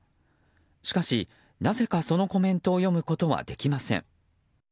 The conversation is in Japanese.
しかしなぜか、そのコメントを読むことはできません。